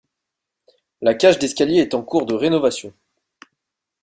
La cage d'escalier est en cours de rénovation.